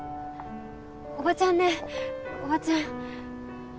おばちゃんねおばちゃん